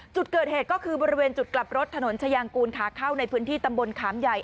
จุดเกิดเหตุก็คือบริเวณจุดกลับรถถนนชายางกูลขาเข้าในพื้นที่ตำบลขามใหญ่